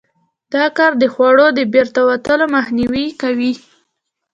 دا کار د خوړو د بیرته وتلو مخنیوی کوي.